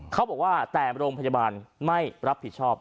เขาบอกว่าแต่โรงพยาบาลไม่รับผิดชอบ